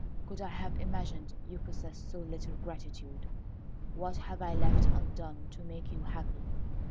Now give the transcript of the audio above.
Could I have imagined you possessed so little gratitude? What have I left undone to make you happy?